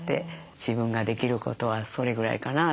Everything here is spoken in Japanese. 自分ができることはそれぐらいかなって。